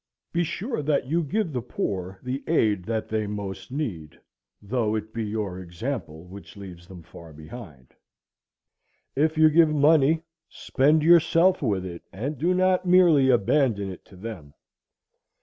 Be sure that you give the poor the aid they most need, though it be your example which leaves them far behind. If you give money, spend yourself with it, and do not merely abandon it to them.